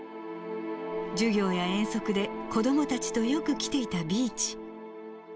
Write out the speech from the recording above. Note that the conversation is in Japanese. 授業や遠足で子どもたちとよく来ていたビーチ。